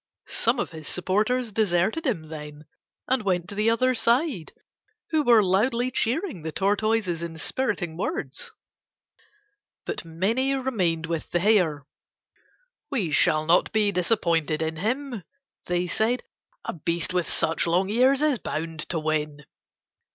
Some of his supporters deserted him then and went to the other side, who were loudly cheering the Tortoise's inspiriting words. But many remained with the Hare. "We shall not be disappointed in him," they said. "A beast with such long ears is bound to win."